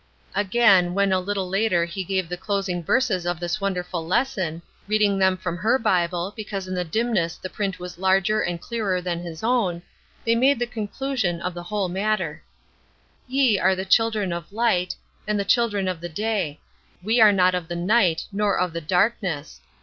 Again, when a little later he gave the closing verses of this wonderful lesson, reading them from her Bible, because in the dimness the print was larger and clearer than his own, they made the conclusion of the whole matter: "Ye are the children of light, and the children of the day; we are not of the night, nor of the darkness.